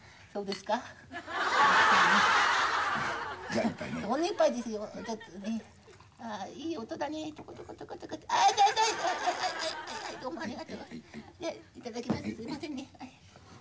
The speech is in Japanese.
すいませんね。